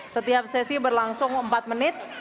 setiap sesi berlangsung empat menit